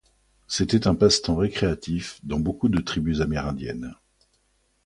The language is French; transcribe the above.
C’était un passe-temps récréatif dans beaucoup de tribus amérindiennes.